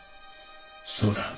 そうだ。